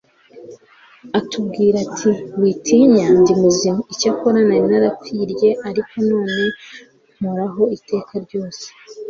atubwira ati :« Witinya ndi muzima. Icyakora nari narapfirye ariko none mporaho iteka ryose.'»